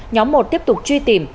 nhóm một tiếp tục truy tìm